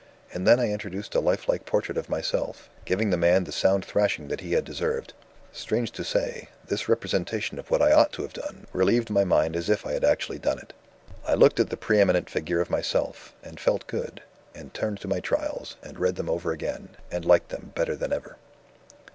and then I introduced a life like portrait of myself, giving the man the sound thrashing that he had deserved. Strange to say, this representation of what I ought to have done, relieved my mind as if I had actually done it. I looked at the pre eminent figure of myself, and felt good, and turned to my Trials, and read them over again, and liked them better than ever."